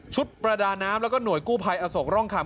ประดาน้ำแล้วก็หน่วยกู้ภัยอโศกร่องคำ